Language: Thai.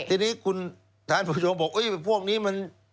ทีนี้คุณท่านผู้ชมบอกพวกนี้มัน